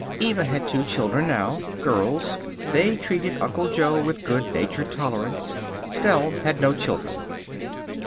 Eva had two children now. Girls. They treated Uncle Jo with good natured tolerance. Stell had no children.